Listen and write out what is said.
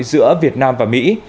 giữa việt nam và mỹ